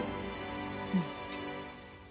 うん。